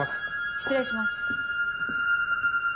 失礼します。